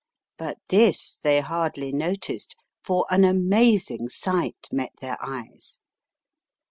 But this they hardly noticed, for an amazing sight met their eyes.